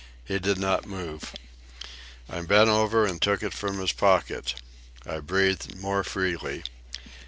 He did not move. I bent over and took it from his pocket. I breathed more freely.